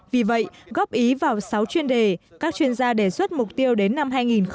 vì vậy góp ý vào sáu chuyên đề các chuyên gia đề xuất mục tiêu đến năm hai nghìn ba mươi